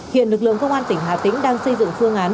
hiện lực lượng công an tỉnh hà tĩnh đang xây dựng phương án